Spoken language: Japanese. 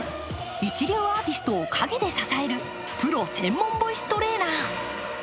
一流アーティストを陰で支えるプロ専門ボイストレーナー。